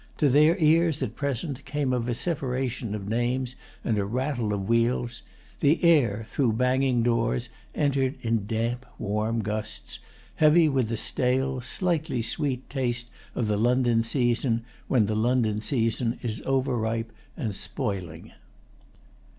To their ears at present came a vociferation of names and a rattle of wheels. The air, through banging doors, entered in damp, warm gusts, heavy with the stale, slightly sweet taste of the London season when the London season is overripe and spoiling.